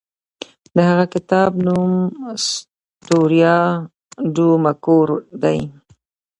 د هغه د کتاب نوم ستوریا ډو مګور دی.